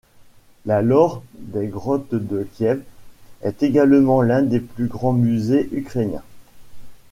La laure des Grottes de Kiev est également l'un des plus grands musées ukrainiens.